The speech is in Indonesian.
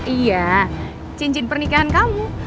iya cincin pernikahan kamu